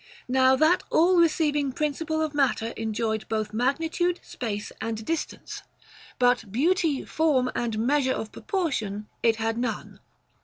Now that all receiving princi ple of matter enjoyed both magnitude, space, and dis tance ; but beauty, form, and measure of proportion it had none.